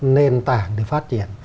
nền tảng để phát triển